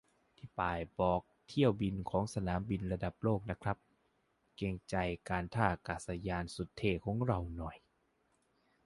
นี่ป้ายบอกเที่ยวบินของสนามบินระดับโลกนะครับ เกรงใจการท่าอากาศยานสุดเท่ของเราหน่อย